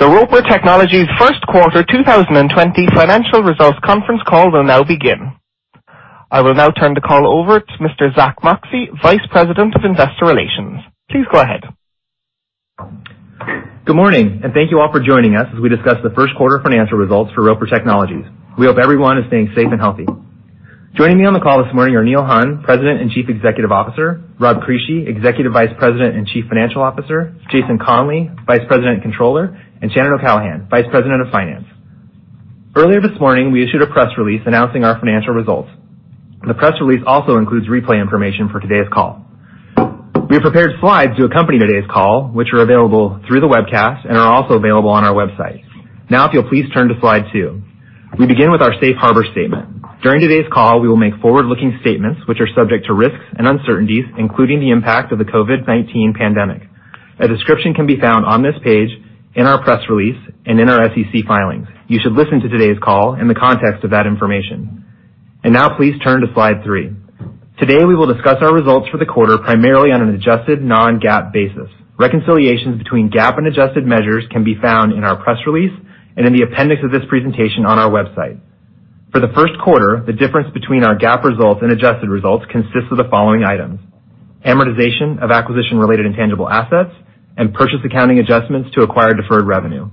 The Roper Technologies first quarter 2020 financial results conference call will now begin. I will now turn the call over to Mr. Zack Moxcey, Vice President of Investor Relations. Please go ahead. Good morning. Thank you all for joining us as we discuss the first quarter financial results for Roper Technologies. We hope everyone is staying safe and healthy. Joining me on the call this morning are Neil Hunn, President and Chief Executive Officer, Rob Crisci, Executive Vice President and Chief Financial Officer, Jason Conley, Vice President and Controller, and Shannon O'Callaghan, Vice President of Finance. Earlier this morning, we issued a press release announcing our financial results. The press release also includes replay information for today's call. We have prepared slides to accompany today's call, which are available through the webcast and are also available on our website. If you'll please turn to slide two. We begin with our safe harbor statement. During today's call, we will make forward-looking statements which are subject to risks and uncertainties, including the impact of the COVID-19 pandemic. A description can be found on this page, in our press release, and in our SEC filings. You should listen to today's call in the context of that information. Now please turn to slide three. Today, we will discuss our results for the quarter, primarily on an adjusted non-GAAP basis. Reconciliations between GAAP and adjusted measures can be found in our press release and in the appendix of this presentation on our website. For the first quarter, the difference between our GAAP results and adjusted results consists of the following items: amortization of acquisition-related intangible assets and purchase accounting adjustments to acquire deferred revenue.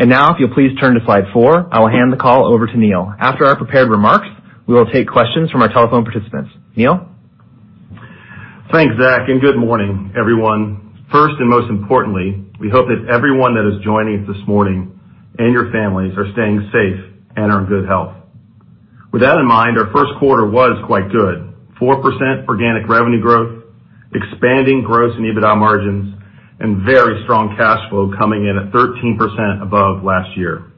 Now, if you'll please turn to slide four, I will hand the call over to Neil. After our prepared remarks, we will take questions from our telephone participants. Neil? Thanks, Zack, and good morning, everyone. First, and most importantly, we hope that everyone that is joining us this morning, and your families, are staying safe and are in good health. With that in mind, our first quarter was quite good, 4% organic revenue growth, expanding gross and EBITDA margins, and very strong cash flow coming in at 13% above last year.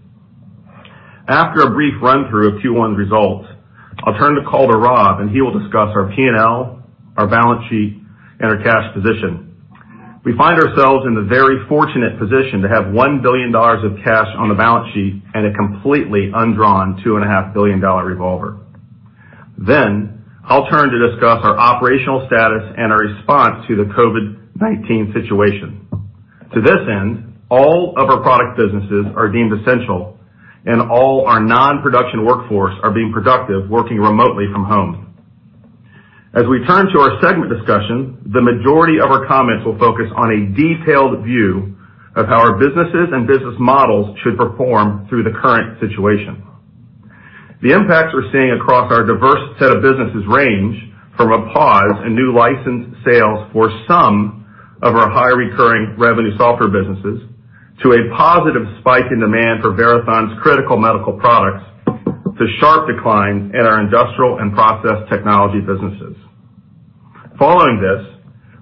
After a brief run-through of Q1 results, I'll turn the call to Rob, and he will discuss our P&L, our balance sheet, and our cash position. We find ourselves in the very fortunate position to have $1 billion of cash on the balance sheet and a completely undrawn $2.5 billion revolver. I'll turn to discuss our operational status and our response to the COVID-19 situation. To this end, all of our product businesses are deemed essential, and all our non-production workforce are being productive, working remotely from home. As we turn to our segment discussion, the majority of our comments will focus on a detailed view of how our businesses and business models should perform through the current situation. The impacts we're seeing across our diverse set of businesses range from a pause in new license sales for some of our high-recurring revenue software businesses, to a positive spike in demand for Verathon's critical medical products, to sharp decline in our industrial and process technology businesses. Following this,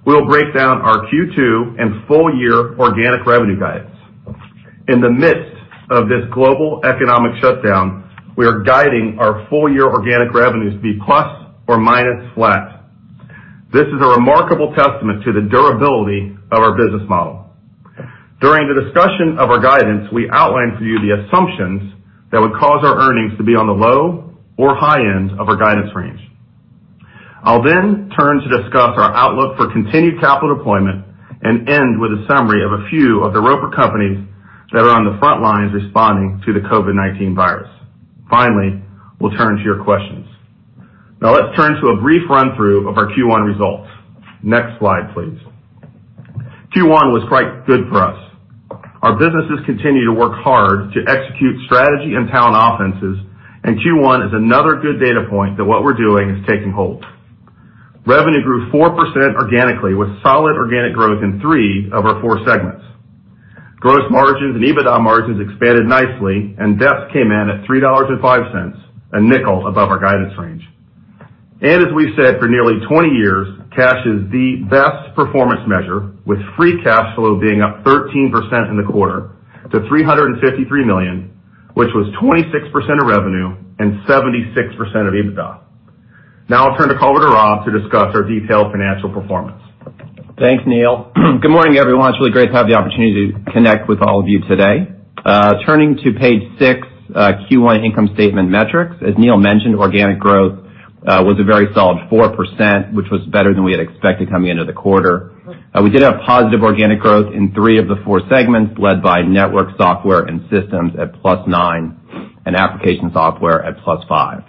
we will break down our Q2 and full-year organic revenue guidance. In the midst of this global economic shutdown, we are guiding our full-year organic revenues to be plus or minus flat. This is a remarkable testament to the durability of our business model. During the discussion of our guidance, we outline for you the assumptions that would cause our earnings to be on the low or high end of our guidance range. I'll then turn to discuss our outlook for continued capital deployment and end with a summary of a few of the Roper companies that are on the front lines responding to the COVID-19 virus. We'll turn to your questions. Let's turn to a brief run-through of our Q1 results. Next slide, please. Q1 was quite good for us. Our businesses continue to work hard to execute strategy and talent offenses, and Q1 is another good data point that what we're doing is taking hold. Revenue grew 4% organically, with solid organic growth in three of our four segments. Gross margins and EBITDA margins expanded nicely, and DEPS came in at $3.05, $0.05 above our guidance range. As we've said for nearly 20 years, cash is the best performance measure, with free cash flow being up 13% in the quarter to $353 million, which was 26% of revenue and 76% of EBITDA. I'll turn the call over to Rob to discuss our detailed financial performance. Thanks, Neil. Good morning, everyone. It's really great to have the opportunity to connect with all of you today. Turning to page six, Q1 income statement metrics. As Neil mentioned, organic growth was a very solid 4%, which was better than we had expected coming into the quarter. We did have positive organic growth in three of the four segments, led by Network Software and systems at +9% and Application Software at +5%.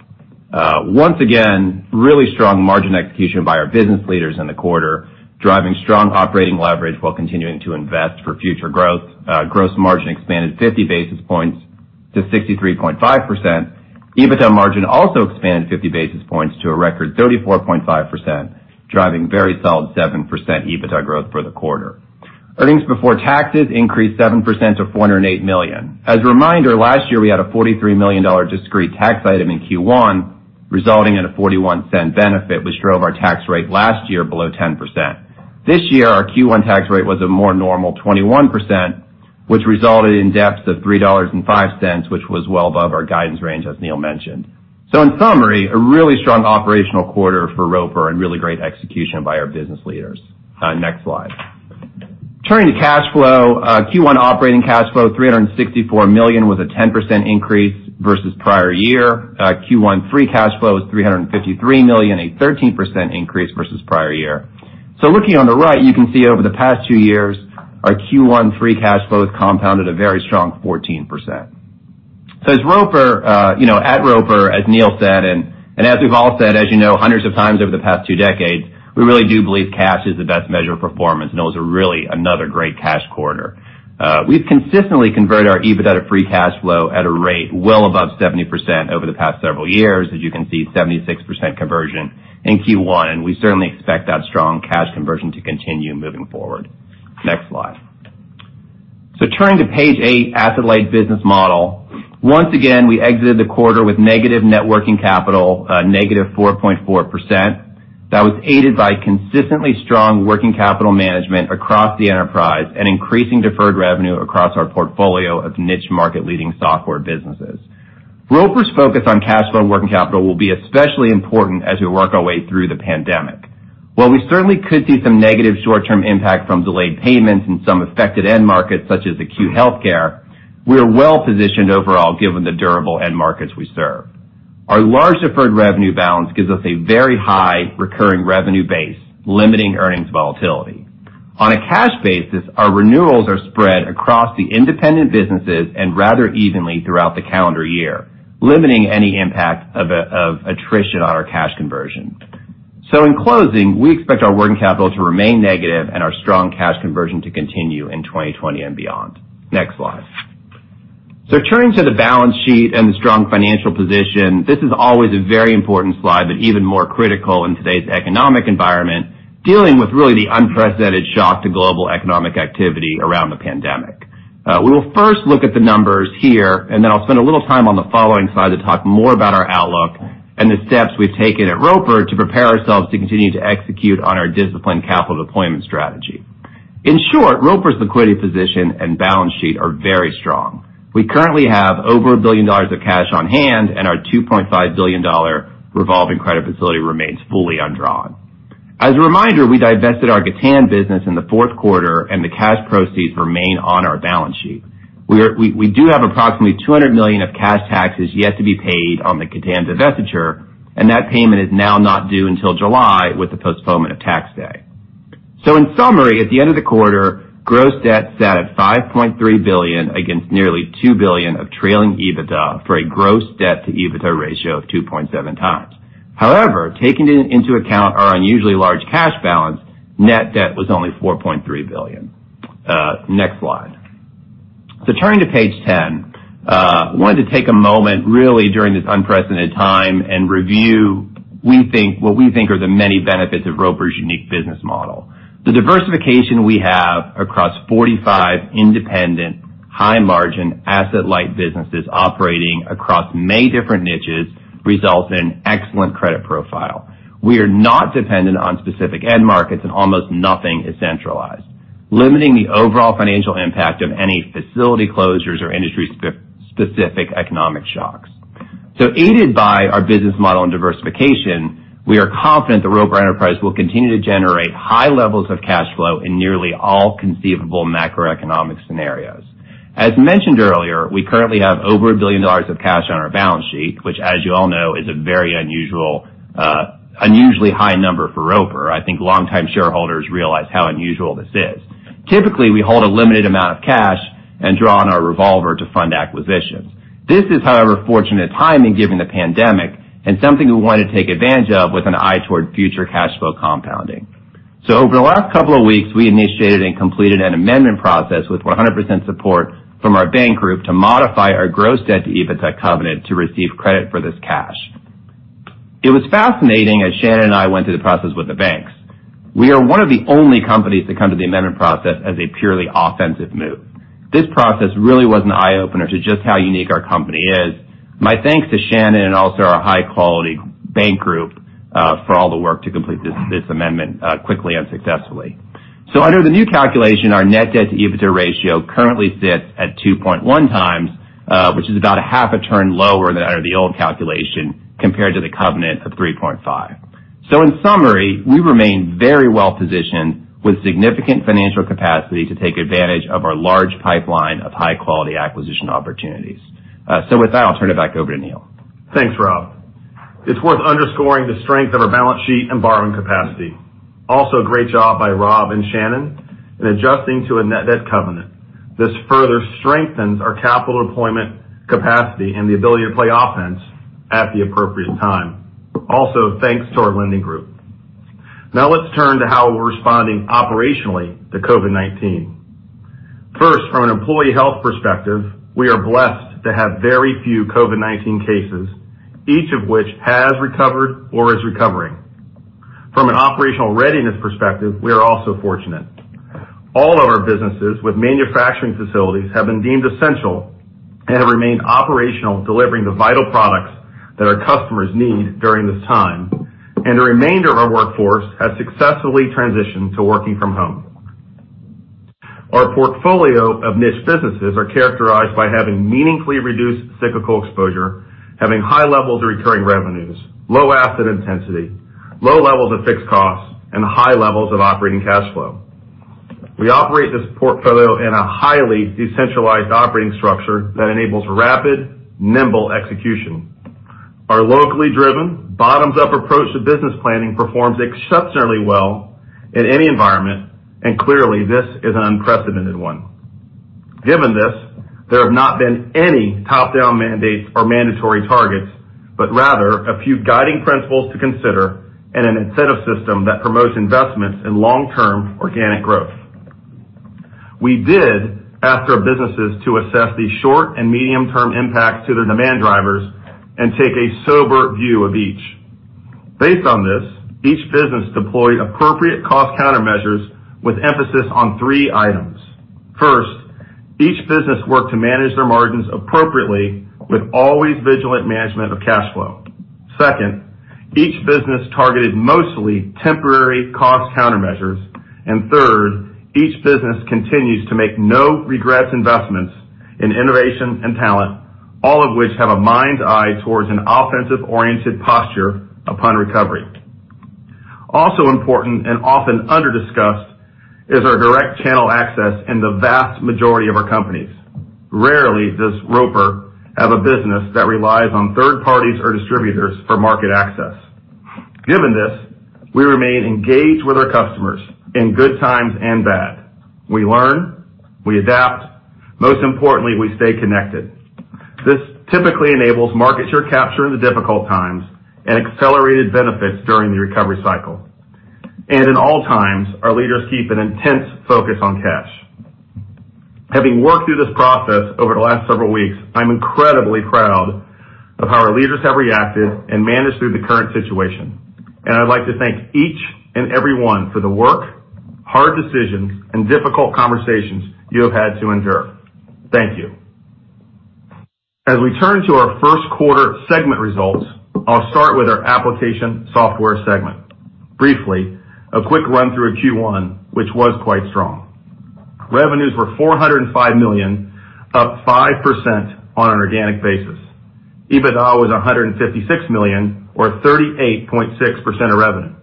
Once again, really strong margin execution by our business leaders in the quarter, driving strong operating leverage while continuing to invest for future growth. Gross margin expanded 50 basis points to 63.5%. EBITDA margin also expanded 50 basis points to a record 34.5%, driving very solid 7% EBITDA growth for the quarter. Earnings before taxes increased 7% to $408 million. As a reminder, last year, we had a $43 million discrete tax item in Q1, resulting in a $0.41 benefit, which drove our tax rate last year below 10%. This year, our Q1 tax rate was a more normal 21%, which resulted in DEPS of $3.05, which was well above our guidance range, as Neil mentioned. In summary, a really strong operational quarter for Roper and really great execution by our business leaders. Next slide. Turning to cash flow. Q1 operating cash flow, $364 million, was a 10% increase versus prior year. Q1 free cash flow was $353 million, a 13% increase versus prior year. Looking on the right, you can see over the past two years, our Q1 free cash flow has compounded a very strong 14%. At Roper, as Neil said, and as we've all said, as you know, hundreds of times over the past two decades, we really do believe cash is the best measure of performance, and it was really another great cash quarter. We've consistently converted our EBITDA free cash flow at a rate well above 70% over the past several years. As you can see, 76% conversion in Q1, and we certainly expect that strong cash conversion to continue moving forward. Next slide. Turning to page eight, asset-light business model. Once again, we exited the quarter with negative net working capital, -4.4%. That was aided by consistently strong working capital management across the enterprise, and increasing deferred revenue across our portfolio of niche market-leading software businesses. Roper's focus on cash flow and working capital will be especially important as we work our way through the pandemic. While we certainly could see some negative short-term impact from delayed payments in some affected end markets such as acute healthcare, we are well-positioned overall, given the durable end markets we serve. Our large deferred revenue balance gives us a very high recurring revenue base, limiting earnings volatility. On a cash basis, our renewals are spread across the independent businesses and rather evenly throughout the calendar year, limiting any impact of attrition on our cash conversion. In closing, we expect our working capital to remain negative and our strong cash conversion to continue in 2020 and beyond. Next slide. Turning to the balance sheet and the strong financial position, this is always a very important slide, but even more critical in today's economic environment, dealing with really the unprecedented shock to global economic activity around the pandemic. We will first look at the numbers here, and then I'll spend a little time on the following slide to talk more about our outlook and the steps we've taken at Roper to prepare ourselves to continue to execute on our disciplined capital deployment strategy. In short, Roper's liquidity position and balance sheet are very strong. We currently have over $1 billion of cash on hand, and our $2.5 billion revolving credit facility remains fully undrawn. As a reminder, we divested our Gatan business in the fourth quarter, and the cash proceeds remain on our balance sheet. We do have approximately $200 million of cash taxes yet to be paid on the Gatan divestiture, and that payment is now not due until July with the postponement of Tax Day. In summary, at the end of the quarter, gross debt sat at $5.3 billion against nearly $2 billion of trailing EBITDA for a gross debt to EBITDA ratio of 2.7x. However, taking into account our unusually large cash balance, net debt was only $4.3 billion. Next slide. Turning to page 10, I wanted to take a moment really during this unprecedented time and review what we think are the many benefits of Roper's unique business model. The diversification we have across 45 independent, high-margin, asset-light businesses operating across many different niches results in an excellent credit profile. We are not dependent on specific end markets, and almost nothing is centralized, limiting the overall financial impact of any facility closures or industry-specific economic shocks. Aided by our business model and diversification, we are confident the Roper enterprise will continue to generate high levels of cash flow in nearly all conceivable macroeconomic scenarios. As mentioned earlier, we currently have over $1 billion of cash on our balance sheet, which, as you all know, is a very unusually high number for Roper. I think longtime shareholders realize how unusual this is. Typically, we hold a limited amount of cash and draw on our revolver to fund acquisitions. This is, however, fortunate timing given the pandemic, and something we want to take advantage of with an eye toward future cash flow compounding. Over the last couple of weeks, we initiated and completed an amendment process with 100% support from our bank group to modify our gross debt to EBITDA covenant to receive credit for this cash. It was fascinating as Shannon and I went through the process with the banks. We are one of the only companies to come to the amendment process as a purely offensive move. This process really was an eye-opener to just how unique our company is. My thanks to Shannon and also our high-quality bank group for all the work to complete this amendment quickly and successfully. Under the new calculation, our net debt to EBITDA ratio currently sits at 2.1x, which is about a half a turn lower than under the old calculation compared to the covenant of 3.5x. In summary, we remain very well-positioned with significant financial capacity to take advantage of our large pipeline of high-quality acquisition opportunities. With that, I'll turn it back over to Neil. Thanks, Rob. It's worth underscoring the strength of our balance sheet and borrowing capacity. Great job by Rob and Shannon in adjusting to a net debt covenant. This further strengthens our capital deployment capacity and the ability to play offense at the appropriate time. Thanks to our lending group. Now let's turn to how we're responding operationally to COVID-19. First, from an employee health perspective, we are blessed to have very few COVID-19 cases, each of which has recovered or is recovering. From an operational readiness perspective, we are also fortunate. All of our businesses with manufacturing facilities have been deemed essential and have remained operational, delivering the vital products that our customers need during this time, and the remainder of our workforce has successfully transitioned to working from home. Our portfolio of niche businesses are characterized by having meaningfully reduced cyclical exposure, having high levels of recurring revenues, low asset intensity, low levels of fixed costs, and high levels of operating cash flow. We operate this portfolio in a highly decentralized operating structure that enables rapid, nimble execution. Our locally driven bottoms-up approach to business planning performs exceptionally well in any environment, and clearly, this is an unprecedented one. Given this, there have not been any top-down mandates or mandatory targets, but rather a few guiding principles to consider and an incentive system that promotes investments in long-term organic growth. We did ask our businesses to assess the short and medium-term impacts to their demand drivers and take a sober view of each. Based on this, each business deployed appropriate cost countermeasures with emphasis on three items. First, each business worked to manage their margins appropriately with always vigilant management of cash flow. Second, each business targeted mostly temporary cost countermeasures. Third, each business continues to make no-regrets investments in innovation and talent, all of which have a mind's eye towards an offensive-oriented posture upon recovery. Also important and often under-discussed is our direct channel access in the vast majority of our companies. Rarely does Roper have a business that relies on third parties or distributors for market access. Given this, we remain engaged with our customers in good times and bad. We learn, we adapt, most importantly, we stay connected. This typically enables market share capture in the difficult times and accelerated benefits during the recovery cycle. In all times, our leaders keep an intense focus on cash. Having worked through this process over the last several weeks, I'm incredibly proud of how our leaders have reacted and managed through the current situation, and I'd like to thank each and every one for the work, hard decisions, and difficult conversations you have had to endure. Thank you. As we turn to our first quarter segment results, I'll start with our Application Software segment. Briefly, a quick run through of Q1, which was quite strong. Revenues were $405 million, up 5% on an organic basis. EBITDA was $156 million or 38.6% of revenue.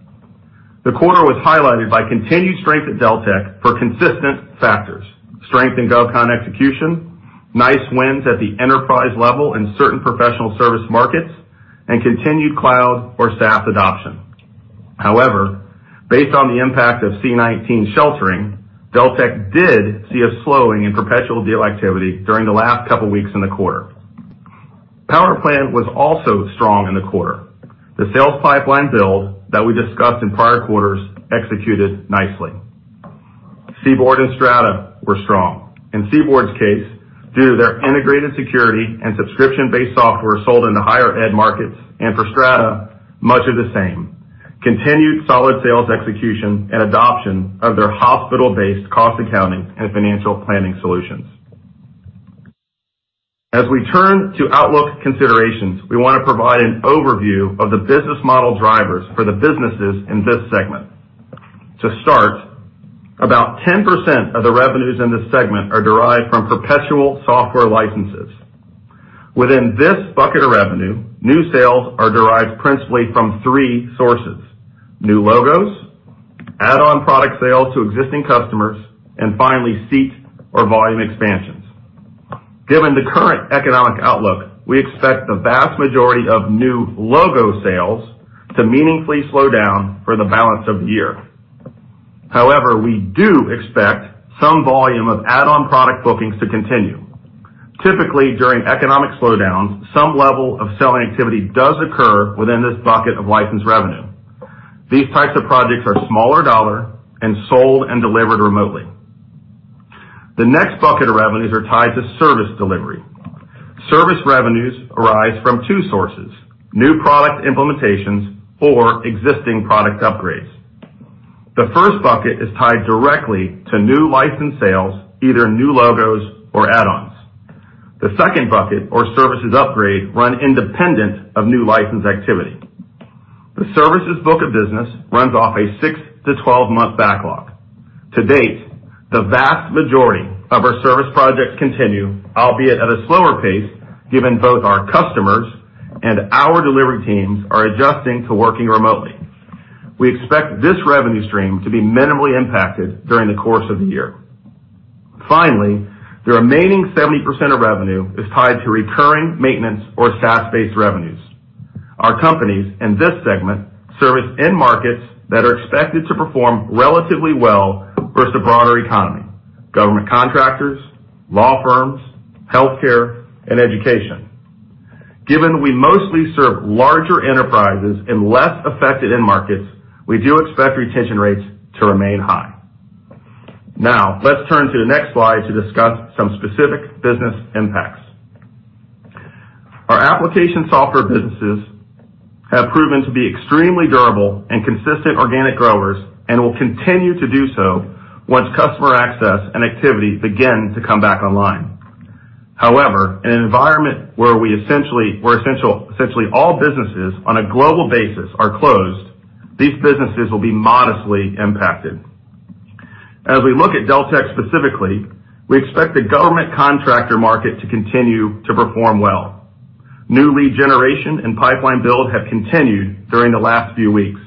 The quarter was highlighted by continued strength at Deltek for consistent factors, strength in GovCon execution, nice wins at the enterprise level in certain professional service markets, and continued cloud or SaaS adoption. However, based on the impact of C-19 sheltering, Deltek did see a slowing in perpetual deal activity during the last couple of weeks in the quarter. PowerPlan was also strong in the quarter. The sales pipeline build that we discussed in prior quarters executed nicely. CBORD and Strata were strong. In CBORD's case, due to their integrated security and subscription-based software sold in the higher ed markets, and for Strata, much of the same. Continued solid sales execution and adoption of their hospital-based cost accounting and financial planning solutions. As we turn to outlook considerations, we want to provide an overview of the business model drivers for the businesses in this segment. To start, about 10% of the revenues in this segment are derived from perpetual software licenses. Within this bucket of revenue, new sales are derived principally from three sources: new logos, add-on product sales to existing customers, and finally, seat or volume expansions. Given the current economic outlook, we expect the vast majority of new logo sales to meaningfully slow down for the balance of the year. We do expect some volume of add-on product bookings to continue. Typically, during economic slowdowns, some level of selling activity does occur within this bucket of licensed revenue. These types of projects are smaller dollar and sold and delivered remotely. The next bucket of revenues are tied to service delivery. Service revenues arise from two sources, new product implementations or existing product upgrades. The first bucket is tied directly to new license sales, either new logos or add-ons. The second bucket or services upgrade run independent of new license activity. The services book of business runs off a 6-12 month backlog. To date, the vast majority of our service projects continue, albeit at a slower pace, given both our customers and our delivery teams are adjusting to working remotely. We expect this revenue stream to be minimally impacted during the course of the year. Finally, the remaining 70% of revenue is tied to recurring maintenance or SaaS-based revenues. Our companies in this segment service end markets that are expected to perform relatively well versus the broader economy, government contractors, law firms, healthcare, and education. Given we mostly serve larger enterprises in less affected end markets, we do expect retention rates to remain high. Now, let's turn to the next slide to discuss some specific business impacts. Our Application Software businesses have proven to be extremely durable and consistent organic growers and will continue to do so once customer access and activity begin to come back online. However, in an environment where essentially all businesses on a global basis are closed, these businesses will be modestly impacted. As we look at Deltek specifically, we expect the government contractor market to continue to perform well. New lead generation and pipeline build have continued during the last few weeks.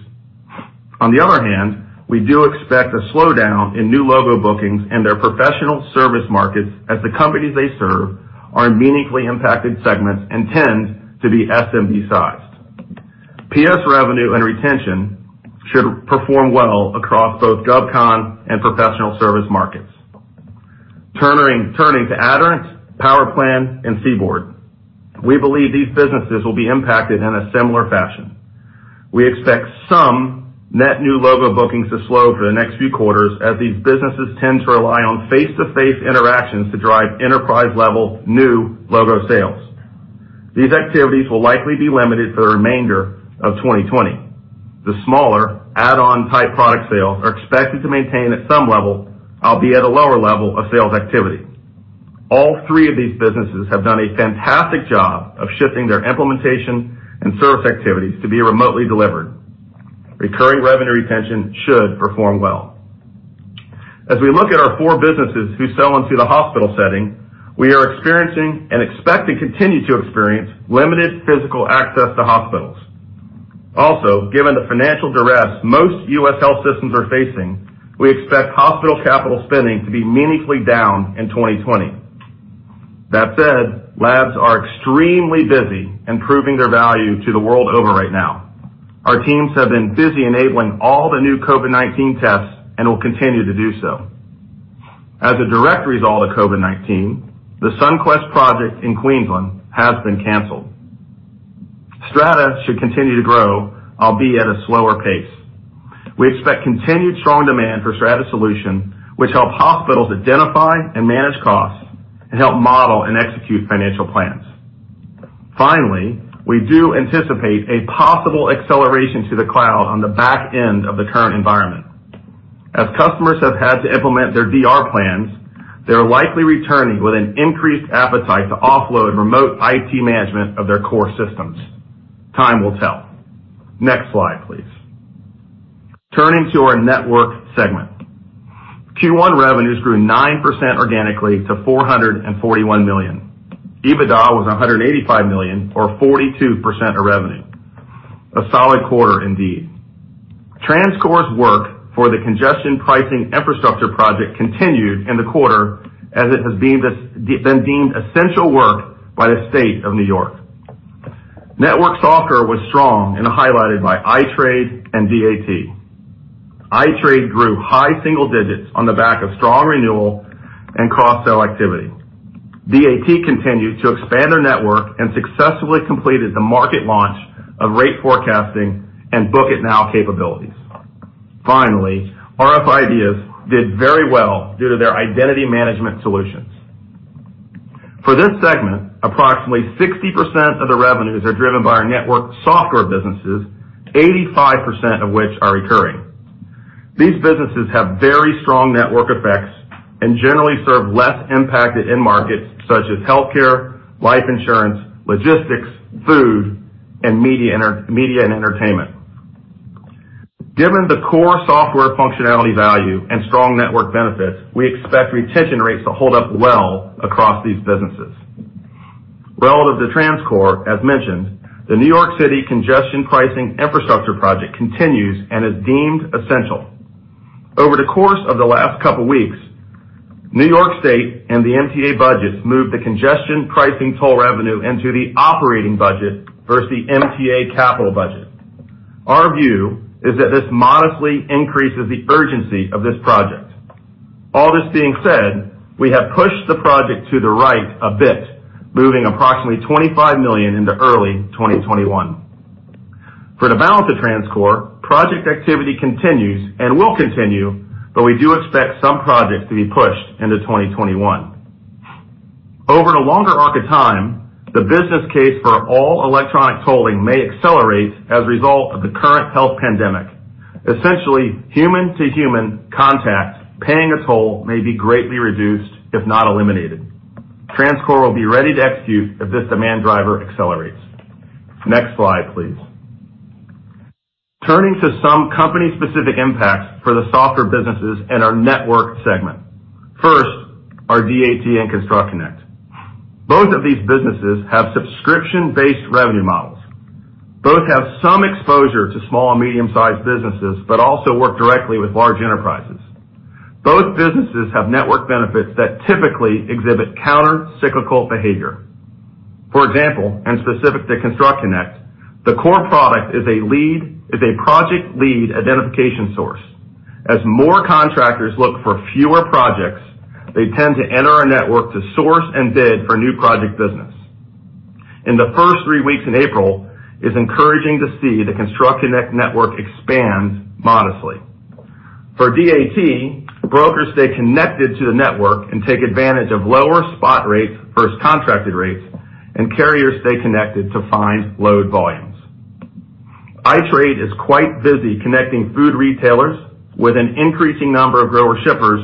On the other hand, we do expect a slowdown in new logo bookings and their professional service markets as the companies they serve are meaningfully impacted segments and tend to be SMB-sized. PS revenue and retention should perform well across both GovCon and professional service markets. Turning to Aderant, PowerPlan and CBORD, we believe these businesses will be impacted in a similar fashion. We expect some net new logo bookings to slow for the next few quarters as these businesses tend to rely on face-to-face interactions to drive enterprise-level new logo sales. These activities will likely be limited for the remainder of 2020. The smaller add-on type product sales are expected to maintain at some level, albeit at a lower level of sales activity. All three of these businesses have done a fantastic job of shifting their implementation and service activities to be remotely delivered. Recurring revenue retention should perform well. As we look at our four businesses who sell into the hospital setting, we are experiencing and expect to continue to experience limited physical access to hospitals. Also, given the financial duress most U.S. health systems are facing, we expect hospital capital spending to be meaningfully down in 2020. That said, labs are extremely busy and proving their value to the world over right now. Our teams have been busy enabling all the new COVID-19 tests and will continue to do so. As a direct result of COVID-19, the Sunquest project in Queensland has been canceled. Strata should continue to grow, albeit at a slower pace. We expect continued strong demand for Strata solution, which help hospitals identify and manage costs and help model and execute financial plans. Finally, we do anticipate a possible acceleration to the cloud on the back end of the current environment. As customers have had to implement their DR plans, they're likely returning with an increased appetite to offload remote IT management of their core systems. Time will tell. Next slide, please. Turning to our network segment. Q1 revenues grew 9% organically to $441 million. EBITDA was $185 million, or 42% of revenue. A solid quarter indeed. TransCore's work for the congestion pricing infrastructure project continued in the quarter as it has been deemed essential work by the State of New York. Network Software was strong and highlighted by iTrade and DAT. iTrade grew high-single digits on the back of strong renewal and cross-sell activity. DAT continued to expand their network and successfully completed the market launch of rate forecasting and book it now capabilities. Finally, rf IDEAS did very well due to their identity management solutions. For this segment, approximately 60% of the revenues are driven by our Network Software businesses, 85% of which are recurring. These businesses have very strong network effects and generally serve less impacted end markets such as healthcare, life insurance, logistics, food, and media and entertainment. Given the core software functionality value and strong network benefits, we expect retention rates to hold up well across these businesses. Relative to TransCore, as mentioned, the New York City congestion pricing infrastructure project continues and is deemed essential. Over the course of the last couple of weeks, New York State and the MTA budgets moved the congestion pricing toll revenue into the operating budget versus the MTA capital budget. Our view is that this modestly increases the urgency of this project. All this being said, we have pushed the project to the right a bit, moving approximately $25 million into early 2021. For the balance of TransCore, project activity continues and will continue, but we do expect some projects to be pushed into 2021. Over the longer arc of time, the business case for all electronic tolling may accelerate as a result of the current health pandemic. Essentially, human-to-human contact, paying a toll may be greatly reduced, if not eliminated. TransCore will be ready to execute if this demand driver accelerates. Next slide, please. Turning to some company-specific impacts for the software businesses and our network segment. First, our DAT and ConstructConnect. Both of these businesses have subscription-based revenue models. Both have some exposure to small and medium-sized businesses, but also work directly with large enterprises. Both businesses have network benefits that typically exhibit counter-cyclical behavior. For example, and specific to ConstructConnect, the core product is a project lead identification source. As more contractors look for fewer projects, they tend to enter our network to source and bid for new project business. In the first three weeks in April, it's encouraging to see the ConstructConnect network expand modestly. For DAT, brokers stay connected to the network and take advantage of lower spot rates versus contracted rates, and carriers stay connected to find load volumes. iTrade is quite busy connecting food retailers with an increasing number of grower shippers.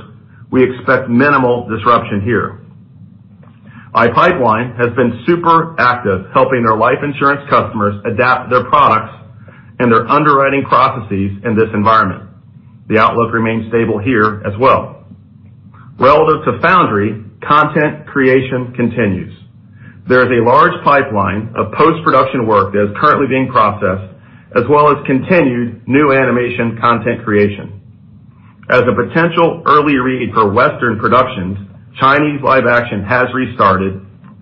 We expect minimal disruption here. iPipeline has been super active helping their life insurance customers adapt their products and their underwriting processes in this environment. The outlook remains stable here as well. Relevant to Foundry, content creation continues. There is a large pipeline of post-production work that is currently being processed, as well as continued new animation content creation. As a potential early read for Western productions, Chinese live action has restarted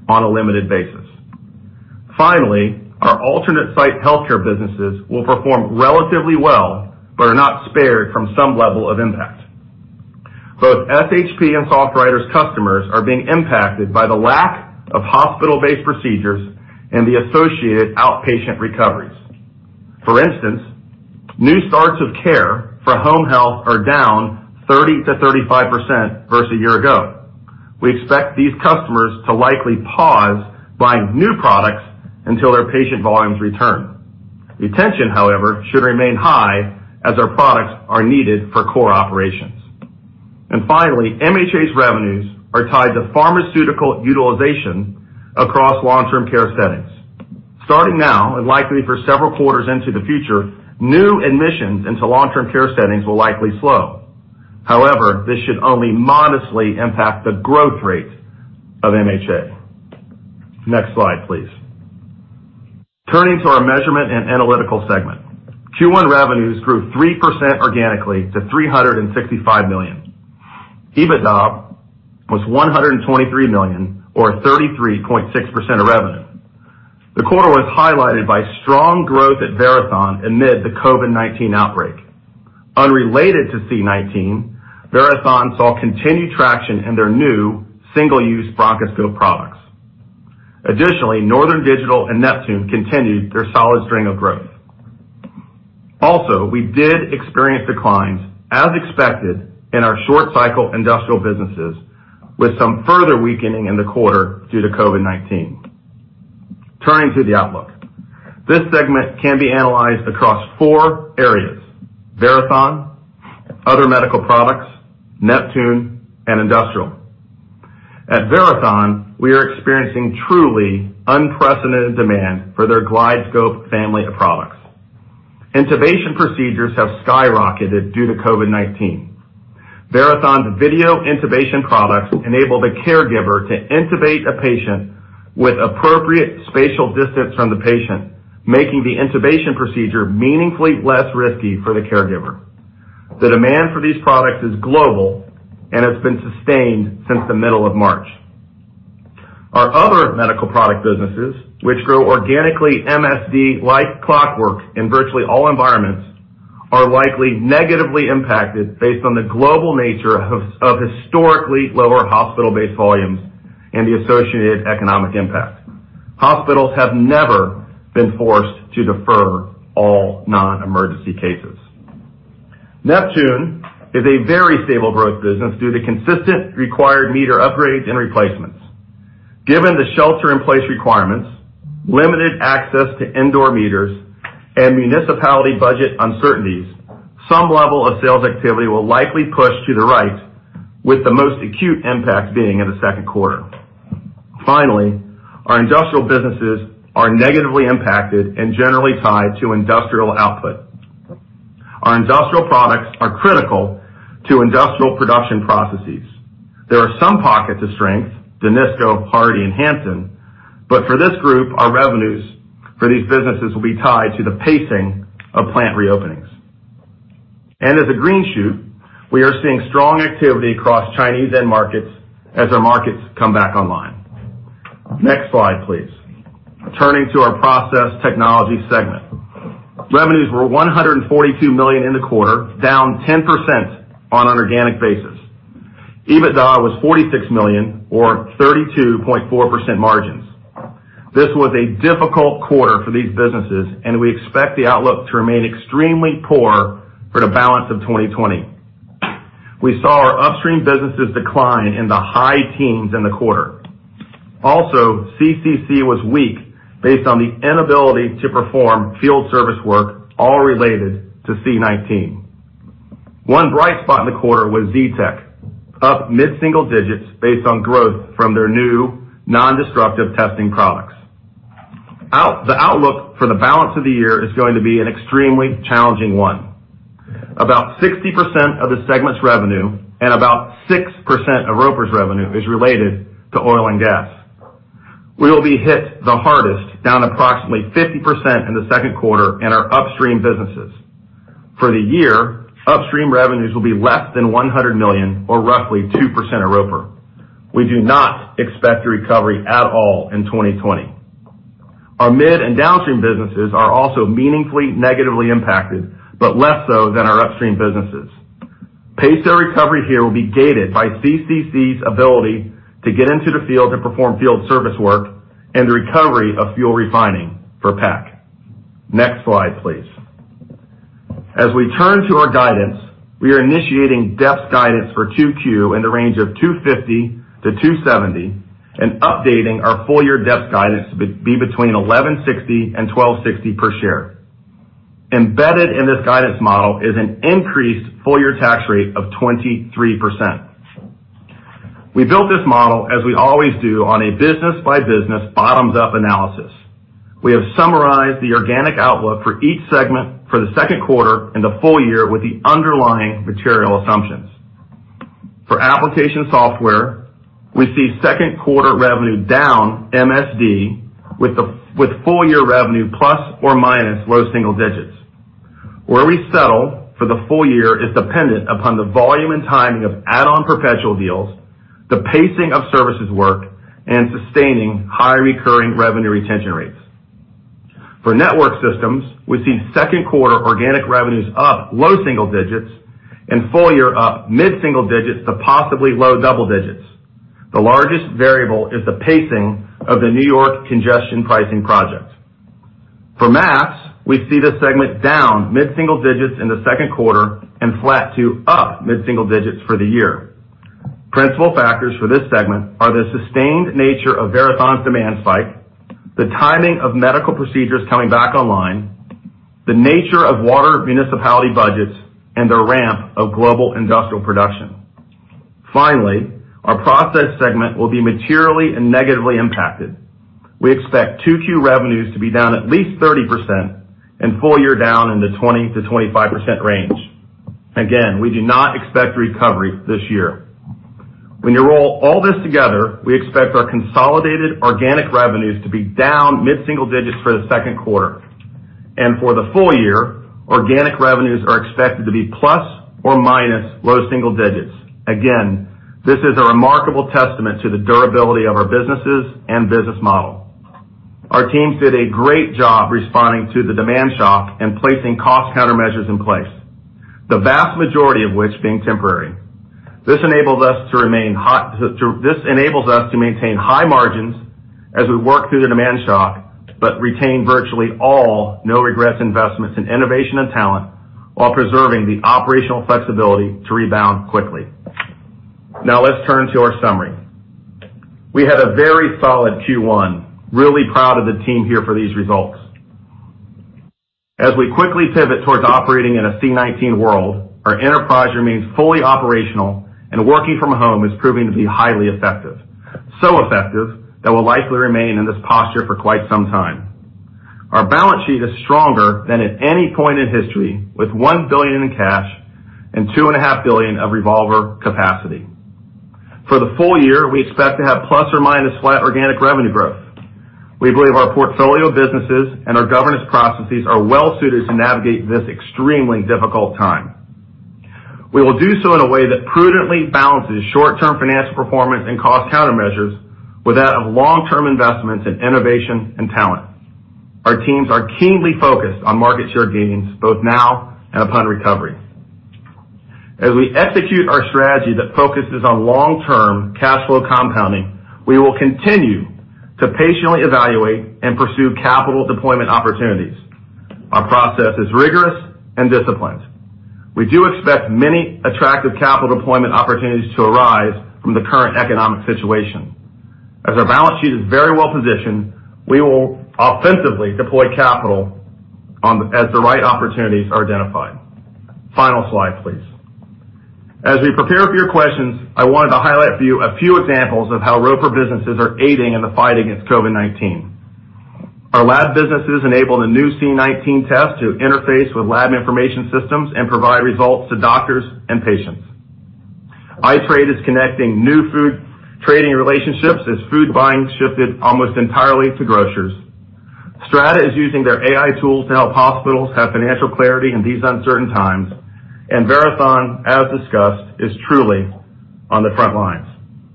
on a limited basis. Finally, our alternate site healthcare businesses will perform relatively well, but are not spared from some level of impact. Both SHP and SoftWriters customers are being impacted by the lack of hospital-based procedures and the associated outpatient recoveries. For instance, new starts of care for home health are down 30%-35% versus a year ago. We expect these customers to likely pause buying new products until their patient volumes return. Retention, however, should remain high as our products are needed for core operations. Finally, MHA's revenues are tied to pharmaceutical utilization across long-term care settings. Starting now, and likely for several quarters into the future, new admissions into long-term care settings will likely slow. However, this should only modestly impact the growth rate of MHA. Next slide, please. Turning to our measurement and analytical segment. Q1 revenues grew 3% organically to $365 million. EBITDA was $123 million or 33.6% of revenue. The quarter was highlighted by strong growth at Verathon amid the COVID-19 outbreak. Unrelated to C-19, Verathon saw continued traction in their new single-use bronchoscope products. Northern Digital and Neptune continued their solid string of growth. We did experience declines, as expected, in our short-cycle industrial businesses, with some further weakening in the quarter due to COVID-19. Turning to the outlook. This segment can be analyzed across four areas, Verathon, other medical products, Neptune, and industrial. At Verathon, we are experiencing truly unprecedented demand for their GlideScope family of products. Intubation procedures have skyrocketed due to COVID-19. Verathon's video intubation products enable the caregiver to intubate a patient with appropriate spatial distance from the patient, making the intubation procedure meaningfully less risky for the caregiver. The demand for these products is global and has been sustained since the middle of March. Our other medical product businesses, which grow organically MSD, like clockwork in virtually all environments, are likely negatively impacted based on the global nature of historically lower hospital-based volumes and the associated economic impact. Hospitals have never been forced to defer all non-emergency cases. Neptune is a very stable growth business due to consistent required meter upgrades and replacements. Given the shelter-in-place requirements, limited access to indoor meters, and municipality budget uncertainties, some level of sales activity will likely push to the right, with the most acute impact being in the second quarter. Finally, our industrial businesses are negatively impacted and generally tied to industrial output. Our industrial products are critical to industrial production processes. There are some pockets of strength, Dynisco, Hardy, and Hansen, but for this group, our revenues for these businesses will be tied to the pacing of plant reopenings. As a green shoot, we are seeing strong activity across Chinese end markets as our markets come back online. Next slide, please. Turning to our process technology segment. Revenues were $142 million in the quarter, down 10% on an organic basis. EBITDA was $46 million or 32.4% margins. This was a difficult quarter for these businesses, and we expect the outlook to remain extremely poor for the balance of 2020. We saw our upstream businesses decline in the high teens in the quarter. Also, CCC was weak based on the inability to perform field service work, all related to C-19. One bright spot in the quarter was Zetec, up mid-single digits based on growth from their new non-destructive testing products. The outlook for the balance of the year is going to be an extremely challenging one. About 60% of the segment's revenue and about 6% of Roper's revenue is related to oil and gas. We will be hit the hardest, down approximately 50% in the second quarter in our upstream businesses. For the year, upstream revenues will be less than $100 million or roughly 2% of Roper. We do not expect a recovery at all in 2020. Our mid and downstream businesses are also meaningfully negatively impacted, but less so than our upstream businesses. Pace of recovery here will be gated by CCC's ability to get into the field to perform field service work and the recovery of fuel refining for PAC. Next slide, please. As we turn to our guidance, we are initiating DEPS guidance for 2Q in the range of $2.50 to $2.70 and updating our full year DEPS guidance to be between $11.60 and $12.60 per share. Embedded in this guidance model is an increased full-year tax rate of 23%. We built this model, as we always do, on a business-by-business, bottoms-up analysis. We have summarized the organic outlook for each segment for the second quarter and the full year with the underlying material assumptions. For Application Software , we see second quarter revenue down MSD with full-year revenue plus or minus low single digits. Where we settle for the full year is dependent upon the volume and timing of add-on perpetual deals, the pacing of services work, and sustaining high recurring revenue retention rates. For Network Systems, we see second quarter organic revenues up low single digits and full year up mid-single digits to possibly low double digits. The largest variable is the pacing of the New York congestion pricing project. For MAS, we see the segment down mid-single digits in the second quarter and flat to up mid-single digits for the year. Principal factors for this segment are the sustained nature of Verathon's demand spike, the timing of medical procedures coming back online, the nature of water municipality budgets, and the ramp of global industrial production. Our process segment will be materially and negatively impacted. We expect 2Q revenues to be down at least 30% and full year down in the 20%-25% range. We do not expect recovery this year. We expect our consolidated organic revenues to be down mid-single digits for the second quarter. For the full year, organic revenues are expected to be plus or minus low single digits. This is a remarkable testament to the durability of our businesses and business model. Our teams did a great job responding to the demand shock and placing cost countermeasures in place, the vast majority of which being temporary. This enables us to maintain high margins as we work through the demand shock, retain virtually all no-regrets investments in innovation and talent while preserving the operational flexibility to rebound quickly. Let's turn to our summary. We had a very solid Q1. We are really proud of the team here for these results. As we quickly pivot towards operating in a C-19 world, our enterprise remains fully operational, and working from home is proving to be highly effective. It is so effective that we'll likely remain in this posture for quite some time. Our balance sheet is stronger than at any point in history, with $1 billion in cash and $2.5 billion of revolver capacity. For the full year, we expect to have plus or minus flat organic revenue growth. We believe our portfolio of businesses and our governance processes are well suited to navigate this extremely difficult time. We will do so in a way that prudently balances short-term financial performance and cost countermeasures with that of long-term investments in innovation and talent. Our teams are keenly focused on market share gains, both now and upon recovery. As we execute our strategy that focuses on long-term cash flow compounding, we will continue to patiently evaluate and pursue capital deployment opportunities. Our process is rigorous and disciplined. We do expect many attractive capital deployment opportunities to arise from the current economic situation. As our balance sheet is very well positioned, we will offensively deploy capital as the right opportunities are identified. Final slide, please. As we prepare for your questions, I wanted to highlight for you a few examples of how Roper businesses are aiding in the fight against C-19. Our lab businesses enable the new C-19 test to interface with lab information systems and provide results to doctors and patients. iTrade is connecting new food trading relationships as food buying shifted almost entirely to grocers. Strata is using their AI tools to help hospitals have financial clarity in these uncertain times. Verathon, as discussed, is truly on the front lines.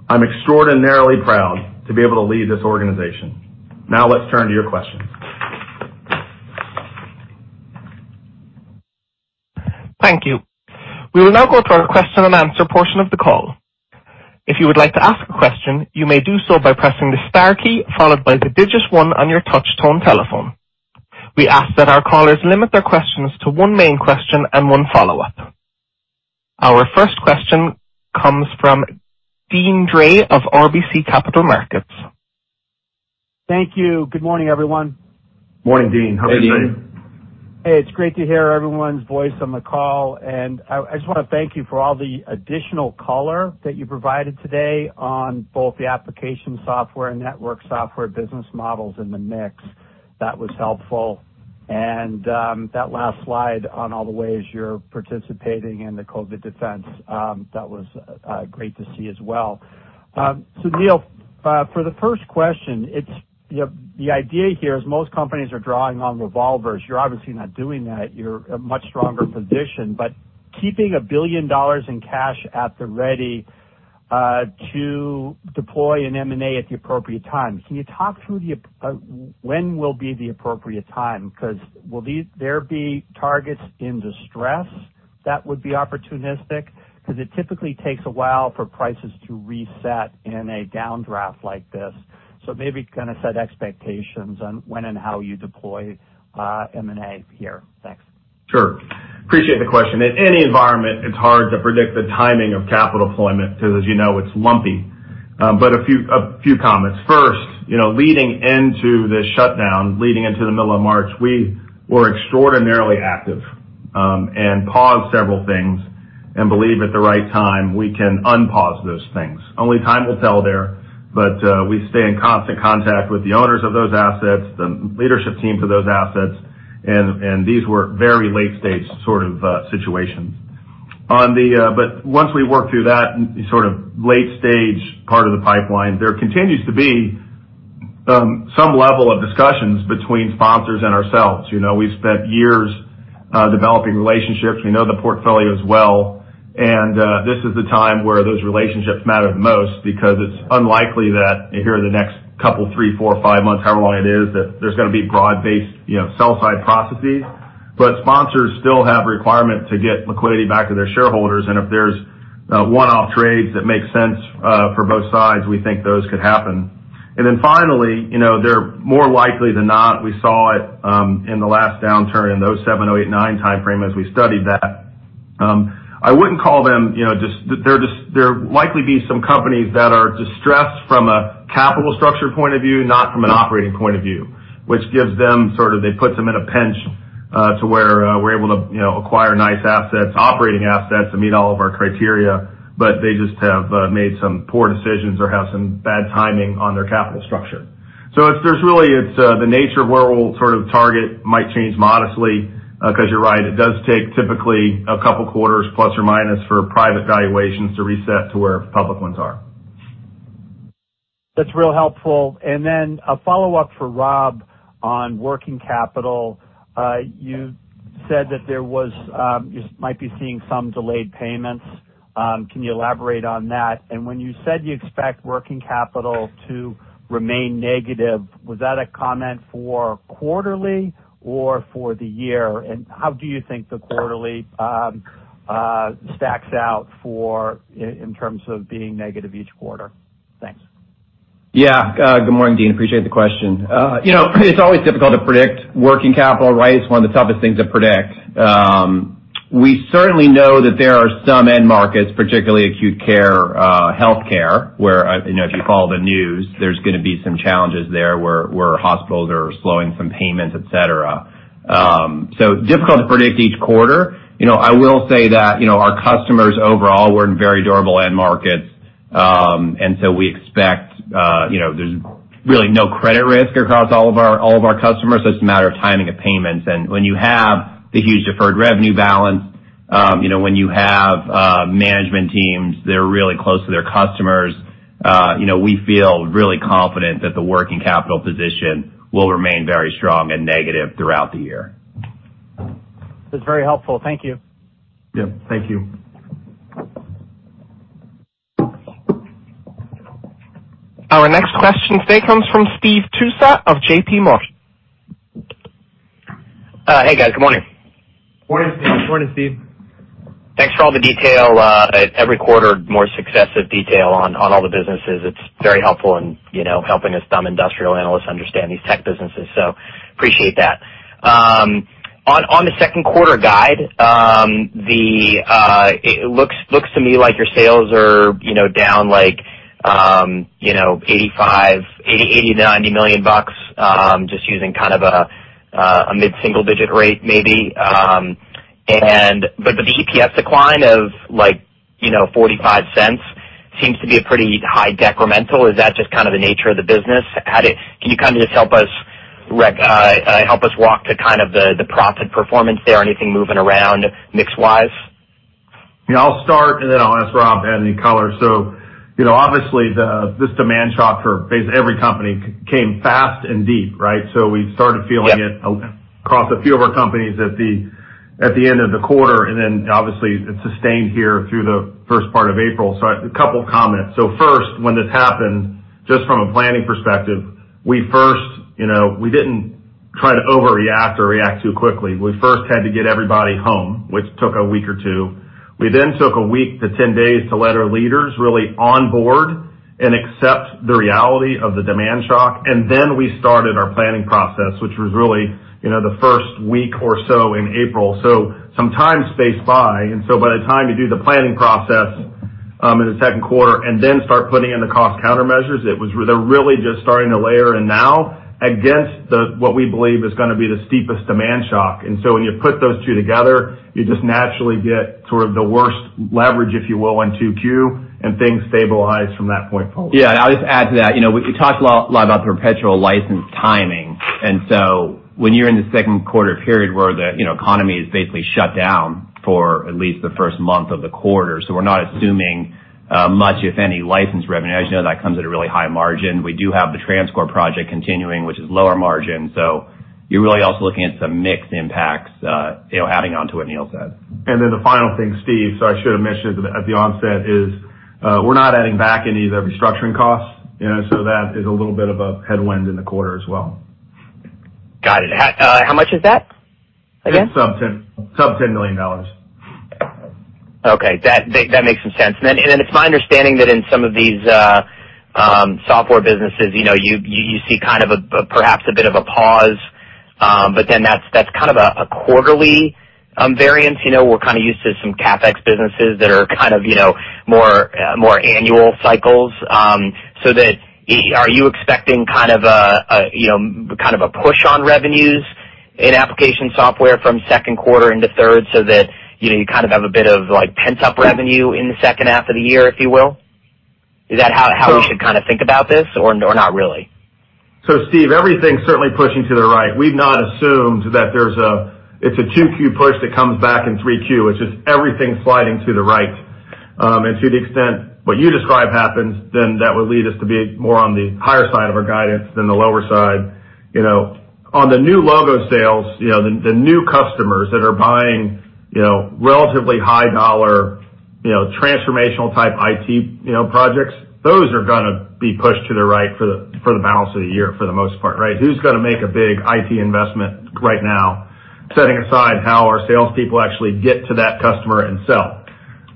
I'm extraordinarily proud to be able to lead this organization. Let's turn to your questions. Thank you. We will now go to our question and answer portion of the call. If you would like to ask a question, you may do so by pressing the star key followed by the digit one on your touch tone telephone. We ask that our callers limit their questions to one main question and one follow-up. Our first question comes from Deane Dray of RBC Capital Markets. Thank you. Good morning, everyone. Morning, Deane. How are you? Hey, Deane. Hey, it's great to hear everyone's voice on the call, and I just want to thank you for all the additional color that you provided today on both the Application Software and Network Software business models in the mix. That was helpful. That last slide on all the ways you're participating in the COVID-19 defense, that was great to see as well. Neil, for the first question, the idea here is most companies are drawing on revolvers. You're obviously not doing that. You're a much stronger position, but keeping $1 billion in cash at the ready to deploy an M&A at the appropriate time. Can you talk through when will be the appropriate time? Will there be targets in distress that would be opportunistic? It typically takes a while for prices to reset in a downdraft like this. Maybe kind of set expectations on when and how you deploy M&A here? Thanks. Sure. Appreciate the question. In any environment, it's hard to predict the timing of capital deployment because as you know, it's lumpy. A few comments. First, leading into the shutdown, leading into the middle of March, we were extraordinarily active and paused several things. Believe at the right time, we can unpause those things. Only time will tell there, but we stay in constant contact with the owners of those assets, the leadership team for those assets, and these were very late-stage sort of situations. Once we work through that sort of late-stage part of the pipeline, there continues to be some level of discussions between sponsors and ourselves. We spent years developing relationships. We know the portfolios well. This is the time where those relationships matter the most because it's unlikely that here in the next couple, three, four, five months, however long it is, that there's going to be broad-based sell side processes. Sponsors still have a requirement to get liquidity back to their shareholders, and if there's one-off trades that make sense for both sides, we think those could happen. Finally, they're more likely than not, we saw it in the last downturn in the 2007, 2008, 2009 timeframe as we studied that. There'll likely be some companies that are distressed from a capital structure point of view, not from an operating point of view, which gives them sort of puts them in a pinch, to where we're able to acquire nice assets, operating assets that meet all of our criteria. They just have made some poor decisions or have some bad timing on their capital structure. It's the nature of where we'll sort of target might change modestly, because you're right, it does take typically a couple of quarters plus or minus for private valuations to reset to where public ones are. That's real helpful. A follow-up for Rob on working capital. You said that you might be seeing some delayed payments. Can you elaborate on that? When you said you expect working capital to remain negative, was that a comment for quarterly or for the year? How do you think the quarterly stacks out in terms of being negative each quarter? Thanks. Yeah. Good morning, Deane. Appreciate the question. It's always difficult to predict working capital, right? It's one of the toughest things to predict. We certainly know that there are some end markets, particularly acute care healthcare, where, if you follow the news, there's going to be some challenges there where hospitals are slowing some payments, et cetera. Difficult to predict each quarter. I will say that our customers overall, we're in very durable end markets. We expect there's really no credit risk across all of our customers. It's a matter of timing of payments. When you have the huge deferred revenue balance, when you have management teams that are really close to their customers, we feel really confident that the working capital position will remain very strong and negative throughout the year. That's very helpful. Thank you. Yeah. Thank you. Our next question today comes from Steve Tusa of JPMorgan. Hey, guys. Good morning. Morning, Steve. Morning, Steve. Thanks for all the detail. Every quarter, more successive detail on all the businesses. It's very helpful in helping us dumb industrial analysts understand these tech businesses. Appreciate that. On the second quarter guide, it looks to me like your sales are down like $85 million, $80 million, $90 million, just using kind of a mid-single digit rate maybe. The EPS decline of $0.45 seems to be a pretty high decremental. Is that just kind of the nature of the business? Can you kind of just help us walk to kind of the profit performance there? Anything moving around mix-wise? I'll start and then I'll ask Rob to add any color. Obviously this demand shock for basically every company came fast and deep, right? We started feeling it- Yep. ....across a few of our companies at the end of the quarter, and then obviously it sustained here through the first part of April. A couple of comments. First, when this happened, just from a planning perspective, we didn't try to overreact or react too quickly. We first had to get everybody home, which took a week or two. We then took a week to 10 days to let our leaders really on board and accept the reality of the demand shock. We started our planning process, which was really the first week or so in April. Some time spaced by the time you do the planning process in the second quarter and then start putting in the cost countermeasures, they're really just starting to layer in now against what we believe is going to be the steepest demand shock. When you put those two together, you just naturally get sort of the worst leverage, if you will, in 2Q, and things stabilize from that point forward. I'll just add to that. We talked a lot about the perpetual license timing. When you're in the second quarter period where the economy is basically shut down for at least the first month of the quarter, we're not assuming much, if any, license revenue. As you know, that comes at a really high margin. We do have the TransCore project continuing, which is lower margin. You're really also looking at some mix impacts, adding onto what Neil said. The final thing, Steve, I should have mentioned at the onset, is we're not adding back any of the restructuring costs. That is a little bit of a headwind in the quarter as well. Got it. How much is that again? It's sub $10 million. Okay. That makes some sense. It's my understanding that in some of these software businesses you see kind of perhaps a bit of a pause, but then that's kind of a quarterly variance. We're kind of used to some CapEx businesses that are kind of more annual cycles. Are you expecting kind of a push on revenues? In Application Software from second quarter into third, so that you kind of have a bit of pent-up revenue in the second half of the year, if you will. Is that how we should kind of think about this or not really? Steve, everything's certainly pushing to the right. We've not assumed that it's a 2Q push that comes back in 3Q. It's just everything sliding to the right. To the extent what you describe happens, then that would lead us to be more on the higher side of our guidance than the lower side. On the new logo sales, the new customers that are buying relatively high dollar, transformational type IT projects, those are going to be pushed to the right for the balance of the year, for the most part, right? Who's going to make a big IT investment right now, setting aside how our salespeople actually get to that customer and sell.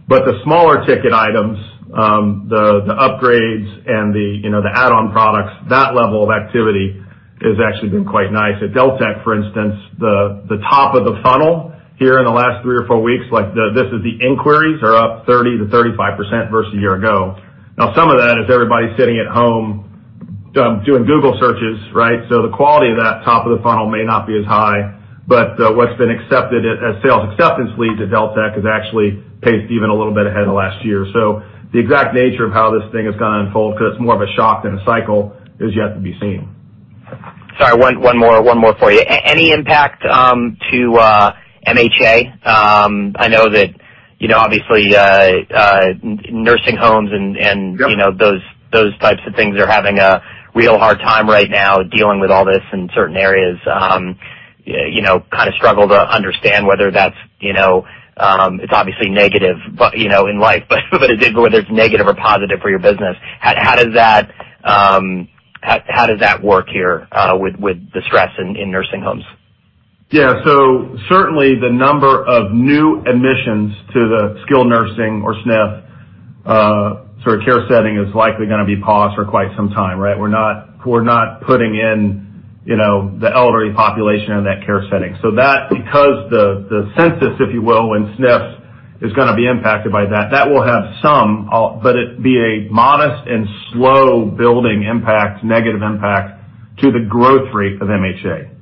The smaller ticket items, the upgrades and the add-on products, that level of activity has actually been quite nice. At Deltek, for instance, the top of the funnel here in the last three or four weeks, this is the inquiries, are up 30%-35% versus a year ago. Some of that is everybody sitting at home doing Google searches, right? The quality of that top of the funnel may not be as high, but what's been accepted as sales acceptance leads at Deltek has actually paced even a little bit ahead of last year. The exact nature of how this thing is going to unfold, because it's more of a shock than a cycle, is yet to be seen. Sorry, one more for you. Any impact to MHA? I know that, obviously, nursing homes- Yep. ...those types of things are having a real hard time right now dealing with all this in certain areas. I kind of struggle to understand. It's obviously negative in life, but whether it's negative or positive for your business. How does that work here with the stress in nursing homes? Certainly the number of new admissions to the skilled nursing or SNF sort of care setting is likely going to be paused for quite some time, right? We're not putting in the elderly population in that care setting. That, because the census, if you will, in SNFs is going to be impacted by that will have some, but it'd be a modest and slow building impact, negative impact to the growth rate of MHA.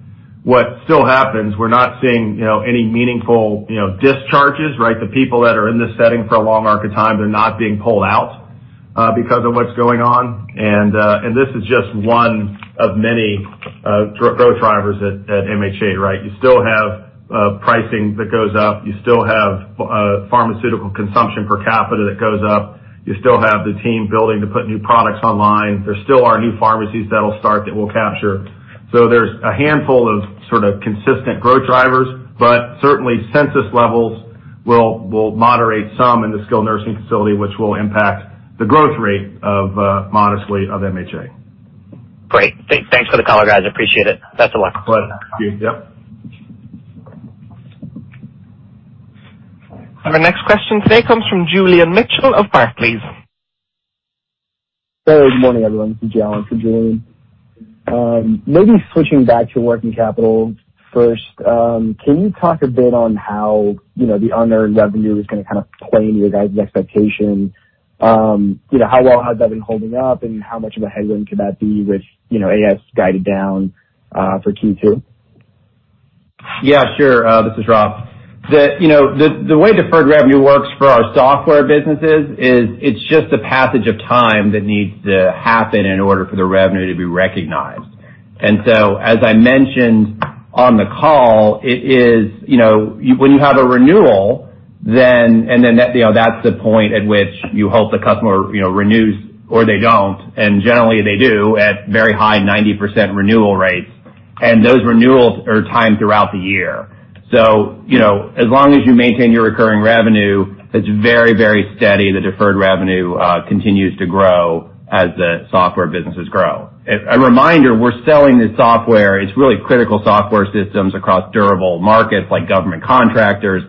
What still happens, we're not seeing any meaningful discharges, right? The people that are in this setting for a long arc of time, they're not being pulled out because of what's going on. This is just one of many growth drivers at MHA, right? You still have pricing that goes up. You still have pharmaceutical consumption per capita that goes up. You still have the team building to put new products online. There still are new pharmacies that'll start that we'll capture. There's a handful of sort of consistent growth drivers, but certainly census levels will moderate some in the skilled nursing facility, which will impact the growth rate modestly of MHA. Great. Thanks for the color, guys. I appreciate it. Best of luck. Pleasure, Steve. Yep. Our next question today comes from Julian Mitchell of Barclays. Good morning, everyone. This is John for Julian. Maybe switching back to working capital first. Can you talk a bit on how the unearned revenue is going to kind of play into your guys' expectation? How well has that been holding up, and how much of a headwind could that be, which AS guided down for Q2? This is Rob. The way deferred revenue works for our software businesses is it's just a passage of time that needs to happen in order for the revenue to be recognized. As I mentioned on the call, when you have a renewal, and then that's the point at which you hope the customer renews or they don't, and generally they do at very high 90% renewal rates, and those renewals are timed throughout the year. As long as you maintain your recurring revenue, it's very steady. The deferred revenue continues to grow as the software businesses grow. A reminder, we're selling this software. It's really critical software systems across durable markets like government contractors,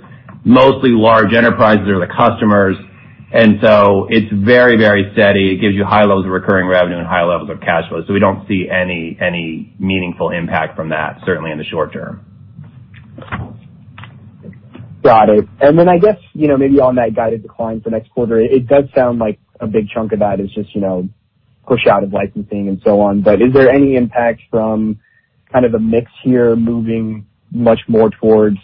mostly large enterprises are the customers, it's very steady. It gives you high levels of recurring revenue and high levels of cash flow. We don't see any meaningful impact from that, certainly in the short term. Got it. I guess, maybe on that guided decline for next quarter, it does sound like a big chunk of that is just push out of licensing and so on. Is there any impact from kind of a mix here moving much more towards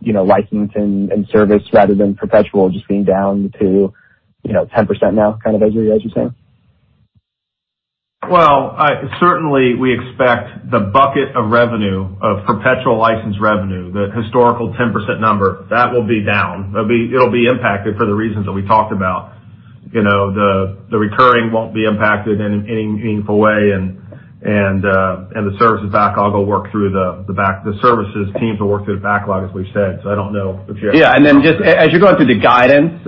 licensing and service rather than perpetual just being down to 10% now kind of as you're saying? Well, certainly we expect the bucket of revenue, of perpetual license revenue, the historical 10% number, that will be down. It'll be impacted for the reasons that we talked about. The recurring won't be impacted in any meaningful way, and the services backlog will work through the services team to work through the backlog, as we've said. I don't know if you have anything to add, Rob? Just as you're going through the guidance,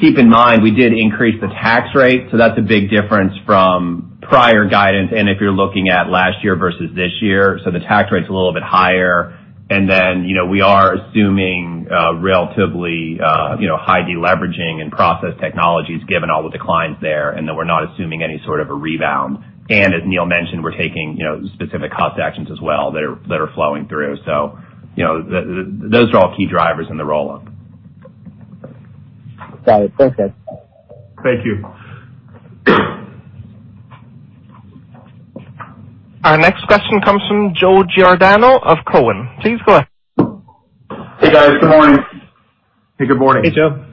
keep in mind, we did increase the tax rate. That's a big difference from prior guidance and if you're looking at last year versus this year. The tax rate's a little bit higher. We are assuming relatively high deleveraging in process technologies given all the declines there, and that we're not assuming any sort of a rebound. As Neil mentioned, we're taking specific cost actions as well that are flowing through. Those are all key drivers in the roll-up. Got it. Thanks, guys. Thank you. Our next question comes from Joe Giordano of Cowen. Please go ahead. Hey, guys. Good morning. Hey, good morning. Hey, Joe.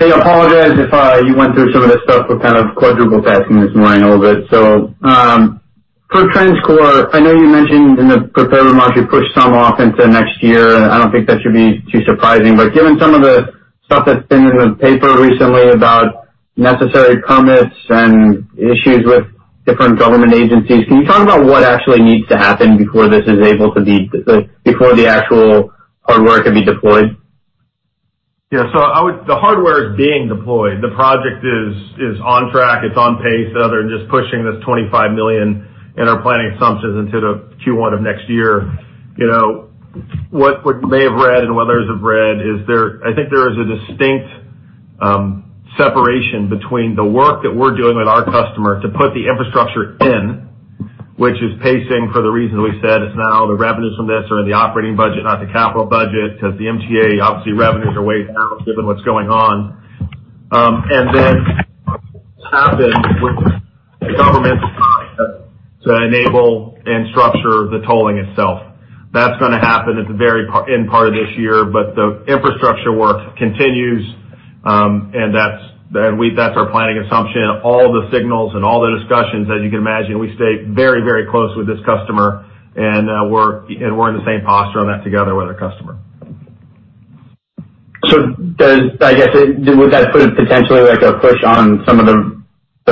Hey, I apologize if you went through some of this stuff. We're kind of quadruple tasking this morning a little bit. For TransCore, I know you mentioned in the prepared remarks you pushed some off into next year, and I don't think that should be too surprising. Given some of the stuff that's been in the paper recently about necessary permits and issues with different government agencies, can you talk about what actually needs to happen before the actual hardware can be deployed? Yeah. The hardware is being deployed. The project is on track, it's on pace, other than just pushing this $25 million in our planning assumptions into the Q1 of next year. What you may have read, and others have read, is I think there is a distinct separation between the work that we're doing with our customer to put the infrastructure in, which is pacing for the reasons we said. Now the revenues from this are in the operating budget, not the capital budget, because the MTA, obviously, revenues are way down given what's going on. What has to happen with the government to enable and structure the tolling itself. That's going to happen at the very end part of this year. The infrastructure work continues, and that's our planning assumption. All the signals and all the discussions, as you can imagine, we stay very close with this customer and we're in the same posture on that together with our customer. Would that put potentially a push on some of the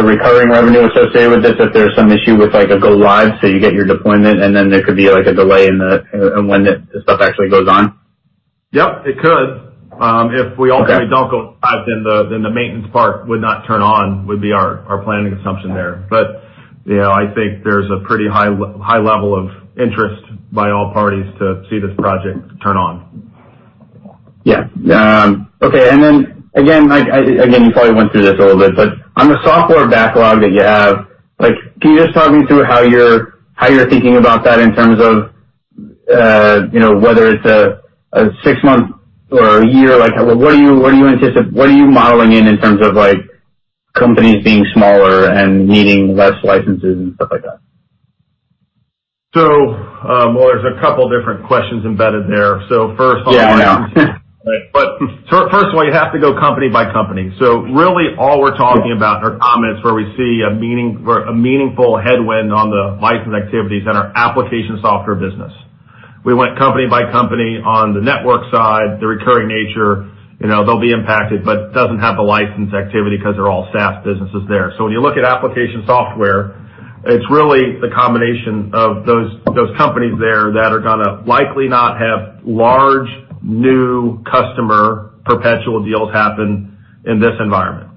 recurring revenue associated with this, if there's some issue with a go-live, so you get your deployment and then there could be a delay in when that stuff actually goes on? Yes, it could. Okay. If we don't go live, then the maintenance part would not turn on, would be our planning assumption there. I think there's a pretty high level of interest by all parties to see this project turn on. Yeah. Okay. Again, you probably went through this a little bit, but on the software backlog that you have, can you just talk me through how you're thinking about that in terms of whether it's a six month or a year? What are you modeling in terms of companies being smaller and needing less licenses and stuff like that? Well, there's two different questions embedded there. First. Yeah, I know. First of all, you have to go company by company. Really, all we're talking about are comments where we see a meaningful headwind on the license activities in our Application Software business. We went company by company on the network side, the recurring nature. They'll be impacted, but it doesn't have the license activity because they're all SaaS businesses there. When you look at Application Software, it's really the combination of those companies there that are going to likely not have large, new customer perpetual deals happen in this environment.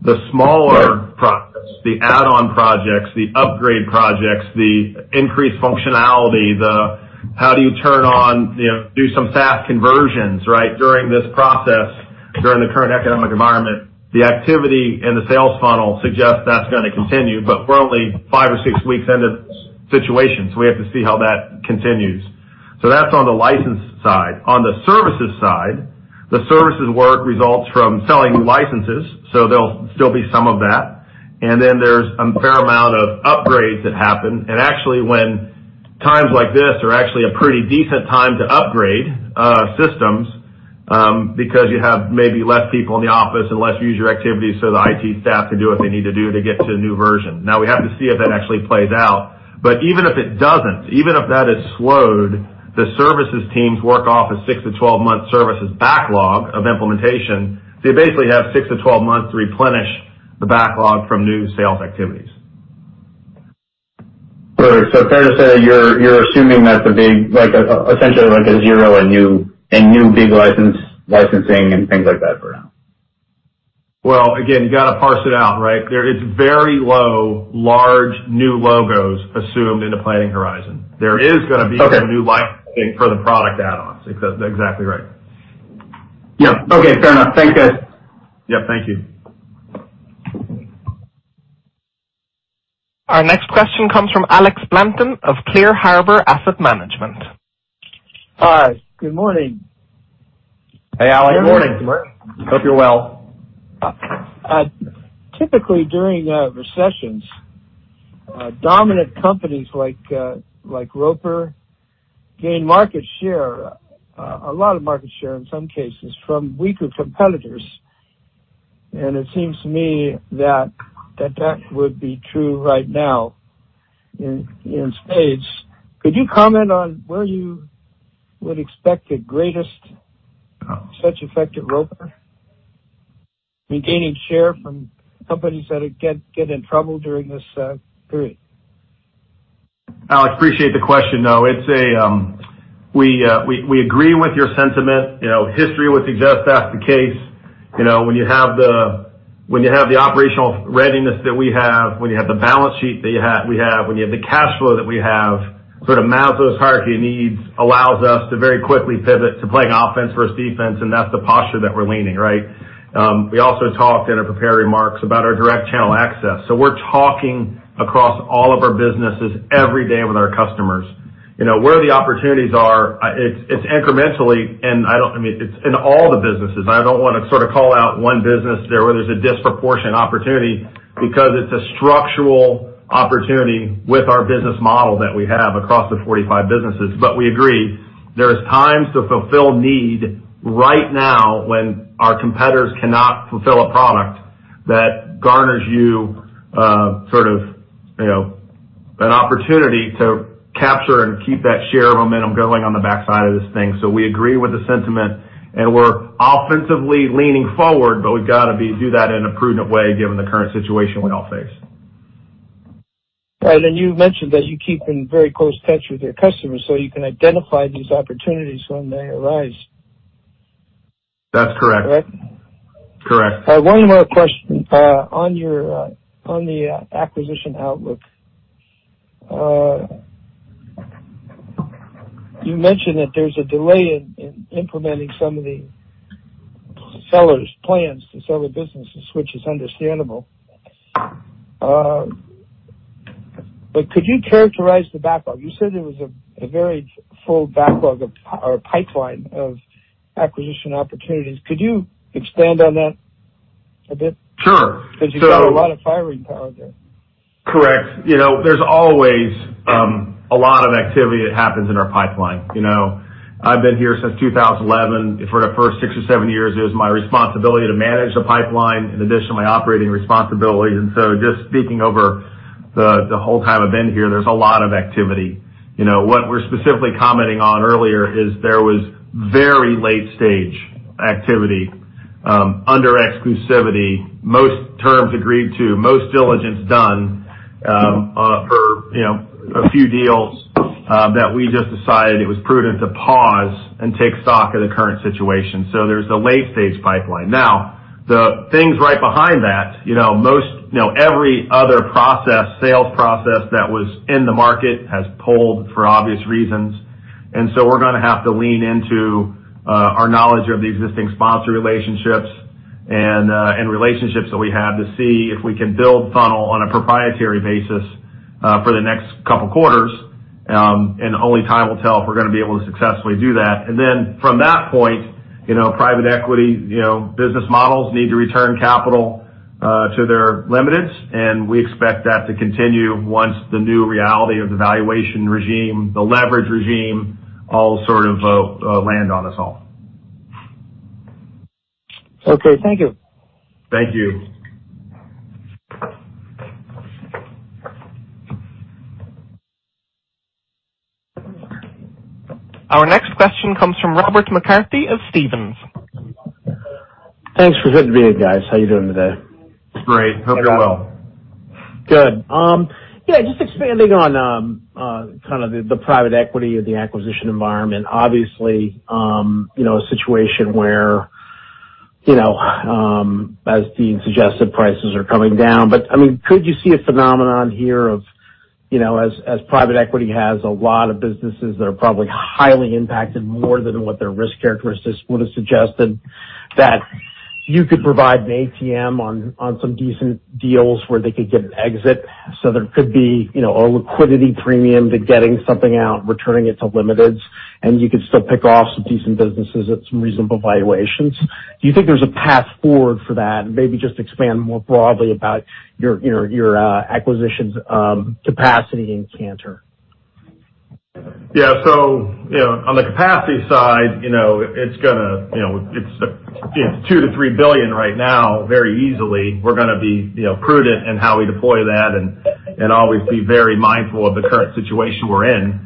The smaller products, the add-on projects, the upgrade projects, the increased functionality, the how do you turn on, do some SaaS conversions during this process, during the current economic environment. The activity in the sales funnel suggests that's going to continue, but we're only five or six weeks into the situation, so we have to see how that continues. That's on the license side. On the services side, the services work results from selling licenses, so there'll still be some of that. There's a fair amount of upgrades that happen. Actually, times like this are actually a pretty decent time to upgrade systems, because you have maybe less people in the office and less user activity, so the IT staff can do what they need to do to get to the new version. Now we have to see if that actually plays out. Even if it doesn't, even if that is slowed, the services teams work off 6-12 month services backlog of implementation. You basically have 6-12 months to replenish the backlog from new sales activities. Fair to say that you're assuming that's essentially a zero in new big licensing and things like that for now. Well, again, you've got to parse it out, right? It's very low, large new logos assumed in the planning horizon. Okay. Some new licensing for the product add-ons. Exactly right. Yeah. Okay. Fair enough. Thanks, guys. Yeah, thank you. Our next question comes from Alex Blanton of Clear Harbor Asset Management. Hi. Good morning. Hey, Alex. Good morning. Good morning. Hope you're well. Typically, during recessions, dominant companies like Roper gain market share, a lot of market share, in some cases, from weaker competitors. It seems to me that that would be true right now in spades. Could you comment on where you would expect the greatest such effect at Roper? Maintaining share from companies that get in trouble during this period. Alex, appreciate the question, though. We agree with your sentiment. History would suggest that's the case. When you have the operational readiness that we have, when you have the balance sheet that we have, when you have the cash flow that we have, Maslow's hierarchy of needs allows us to very quickly pivot to playing offense versus defense, and that's the posture that we're leaning. We also talked in our prepared remarks about our direct channel access. We're talking across all of our businesses every day with our customers. Where the opportunities are, it's incrementally, and it's in all the businesses. I don't want to call out one business there where there's a disproportionate opportunity because it's a structural opportunity with our business model that we have across the 45 businesses. We agree there is times to fulfill need right now when our competitors cannot fulfill a product that garners you an opportunity to capture and keep that share of momentum going on the backside of this thing. We agree with the sentiment, and we're offensively leaning forward, but we've got to do that in a prudent way given the current situation we all face. Right. You mentioned that you keep in very close touch with your customers so you can identify these opportunities when they arise. That's correct. Correct? Correct. One more question. On the acquisition outlook. You mentioned that there's a delay in implementing some of the sellers' plans to sell their businesses, which is understandable. Could you characterize the backlog? You said there was a very full backlog of or pipeline of acquisition opportunities. Could you expand on that a bit? Sure. You've got a lot of firing power there. Correct. There's always a lot of activity that happens in our pipeline. I've been here since 2011. For the first six or seven years, it was my responsibility to manage the pipeline in addition to my operating responsibilities. Just speaking over the whole time I've been here, there's a lot of activity. What we were specifically commenting on earlier is there was very late-stage activity under exclusivity, most terms agreed to, most diligence done for a few deals that we just decided it was prudent to pause and take stock of the current situation. There's a late-stage pipeline. Now, the things right behind that, every other sales process that was in the market has pulled for obvious reasons. We're going to have to lean into our knowledge of the existing sponsor relationships and relationships that we have to see if we can build funnel on a proprietary basis for the next couple of quarters, and only time will tell if we're going to be able to successfully do that. From that point, private equity business models need to return capital to their limited partners, and we expect that to continue once the new reality of the valuation regime, the leverage regime, all sort of land on us all. Okay. Thank you. Thank you. Our next question comes from Robert McCarthy of Stephens. Thanks for good day, guys. How you doing today? Great. Hope you're well. Good. Yeah, just expanding on kind of the private equity or the acquisition environment. Obviously, a situation where as Deane suggested, prices are coming down. Could you see a phenomenon here of as private equity has a lot of businesses that are probably highly impacted more than what their risk characteristics would have suggested, that you could provide an ATM on some decent deals where they could get an exit, so there could be a liquidity premium to getting something out, returning it to limited partners, and you could still pick off some decent businesses at some reasonable valuations. Do you think there's a path forward for that? Maybe just expand more broadly about your acquisitions capacity in Cantor. Yeah. On the capacity side, it's $2 billion-$3 billion right now very easily. We're going to be prudent in how we deploy that and always be very mindful of the current situation we're in.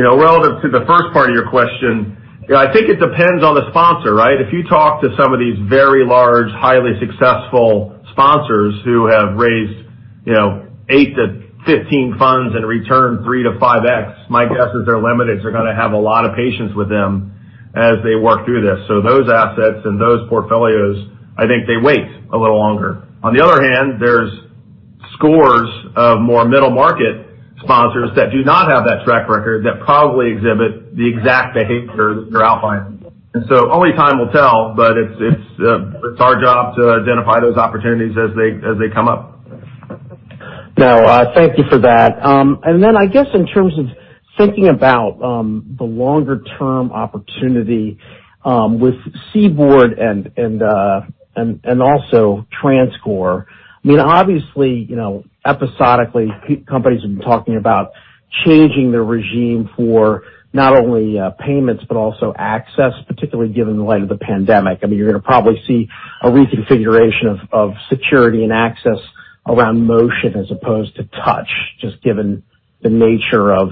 Relative to the first part of your question, I think it depends on the sponsor, right? If you talk to some of these very large, highly successful sponsors who have raised 8-15 funds and returned 3x-5x, my guess is their limited partners are going to have a lot of patience with them as they work through this. Those assets and those portfolios, I think they wait a little longer. On the other hand, there's scores of more middle-market sponsors that do not have that track record that probably exhibit the exact behavior that you're outlining. Only time will tell, but it's our job to identify those opportunities as they come up. No. Thank you for that. Then I guess in terms of thinking about the longer-term opportunity with CBORD and also TransCore. Obviously, episodically, companies have been talking about changing their regime for not only payments but also access, particularly given the light of the pandemic. You're going to probably see a reconfiguration of security and access around motion as opposed to touch, just given the nature of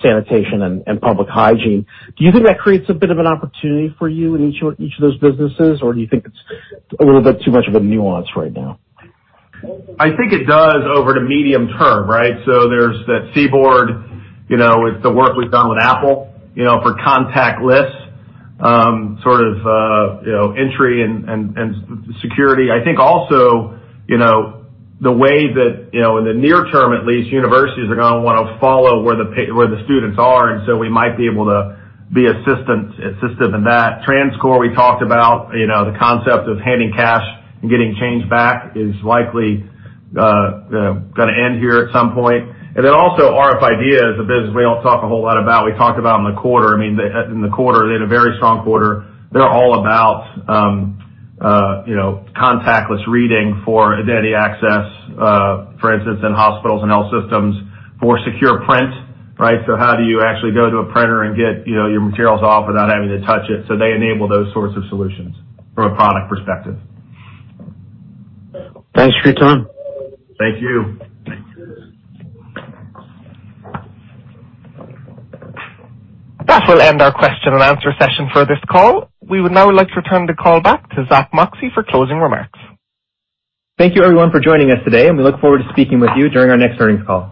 sanitation and public hygiene. Do you think that creates a bit of an opportunity for you in each of those businesses, or do you think it's a little bit too much of a nuance right now? I think it does over the medium term, right? There's that CBORD, with the work we've done with Apple for contactless sort of entry and security. I think also the way that in the near term, at least, universities are going to want to follow where the students are, and so we might be able to be assistive in that. TransCore, we talked about the concept of handing cash and getting change back is likely going to end here at some point. rf IDEAS is a business we don't talk a whole lot about. We talked about them in the quarter. In the quarter, they had a very strong quarter. They're all about contactless reading for identity access for instance, in hospitals and health systems for secure print, right? How do you actually go to a printer and get your materials off without having to touch it? They enable those sorts of solutions from a product perspective. Thanks for your time. Thank you. That will end our question and answer session for this call. We would now like to return the call back to Zack Moxcey for closing remarks. Thank you everyone for joining us today. We look forward to speaking with you during our next earnings call.